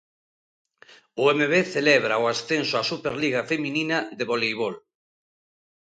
O Emevé celebra o ascenso á Superliga feminina de voleibol.